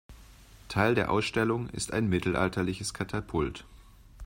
Teil der Ausstellung ist ein mittelalterliches Katapult.